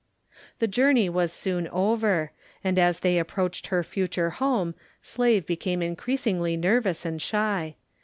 The journey was soon over, and as they approached her future home Slave became increasingly nervous and shy.